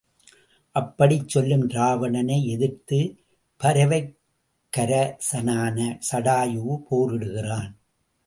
அப்படிச் செல்லும் ராவணனை எதிர்த்துப் பறவைக்கரசனான சடாயு போரிடுகிறான்.